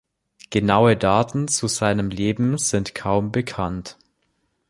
Genaue Daten zu seinem Leben sind kaum bekannt.